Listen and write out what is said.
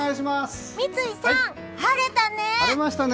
三井さん、晴れたね。